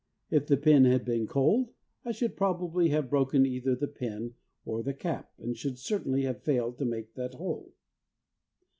If the pin had been cold I should probably have broken either the pin or the cap, and should certainly have failed to make that hole.